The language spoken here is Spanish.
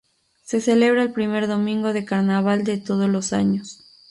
Se celebra el primer domingo de carnaval de todos los años.